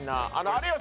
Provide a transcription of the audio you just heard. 有吉